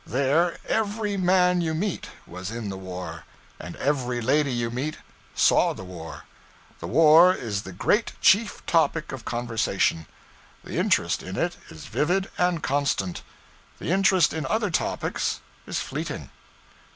There, every man you meet was in the war; and every lady you meet saw the war. The war is the great chief topic of conversation. The interest in it is vivid and constant; the interest in other topics is fleeting.